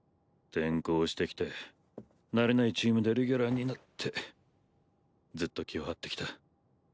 転校してきて慣れないチームでレギュラーになってずっと気を張ってきた。